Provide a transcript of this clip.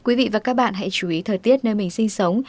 quý vị và các bạn hãy chú ý thời tiết nơi mình sinh sống